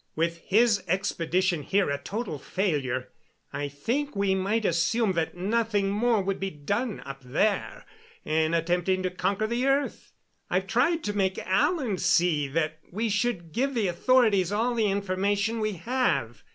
With his expedition here a total failure, I think we might assume that nothing more would be done up there in attempting to conquer the earth. I've tried to make Alan see that we should give the authorities all the information we have.